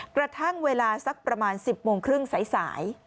กระทั่งเวลาสักประมาณ๑๐โมงครึ่งสาย